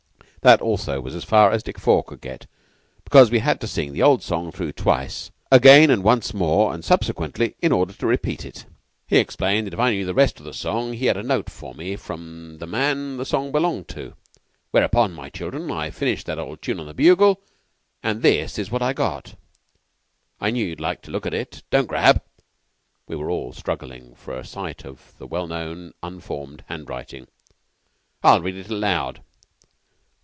That, also, was as far as Dick Four could get, because we had to sing the old song through twice, again and once more, and subsequently, in order to repeat it. "He explained that if I knew the rest of the song he had a note for me from the man the song belonged to. Whereupon, my children, I finished that old tune on that bugle, and this is what I got. I knew you'd like to look at it. Don't grab." (We were all struggling for a sight of the well known unformed handwriting.) "I'll read it aloud.